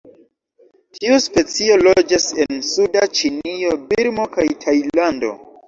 Tiu specio loĝas en suda Ĉinio, Birmo kaj Tajlando.